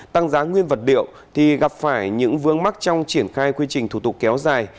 tăng giá nguyên vật liệu thì gặp phải những vương mắc trong triển khai quy trình thủ tục kéo dài